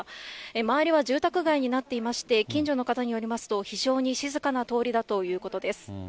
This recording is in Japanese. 周りは住宅街になっていまして、近所の方によりますと、非常に静かな通りだということです。